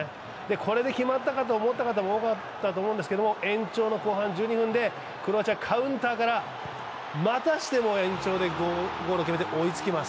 これで決まったかと思った方も多かったと思いますが延長の後半１２分でクロアチアカウンターからまたしても延長でゴールを決めて追いつきます。